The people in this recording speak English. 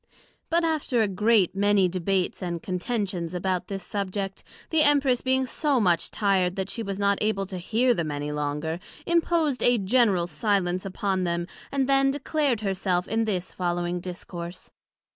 But after a great many debates and contentions about this Subject, the Empress being so much tired that she was not able to hear them any longer, imposed a general silence upon them, and then declared her self in this following Discourse.